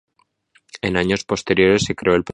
En años posteriores se creó el primer grupo joven.